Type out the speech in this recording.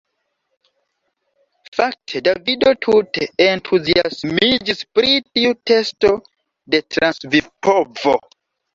Fakte Davido tute entuziasmiĝis pri tiu testo de transvivpovo.